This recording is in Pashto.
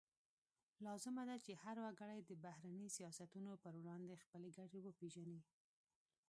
لازمه ده چې هر وګړی د بهرني سیاستونو پر وړاندې خپلې ګټې وپیژني